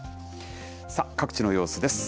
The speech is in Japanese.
さあ、各地の様子です。